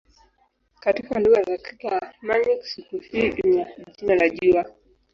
Katika lugha za Kigermanik siku hii ina jina la "jua".